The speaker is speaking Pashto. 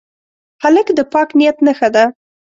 هلک د پاک نیت نښه ده.